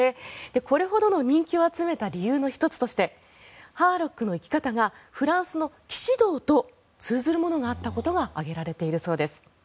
これほどの人気を集めた理由の１つとしてハーロックの生き方がフランスの騎士道と通ずるものがあったことが挙げられているそうです。